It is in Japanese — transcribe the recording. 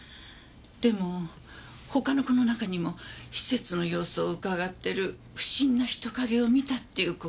でも他の子の中にも施設の様子を伺ってる不審な人影を見たっていう子もいて。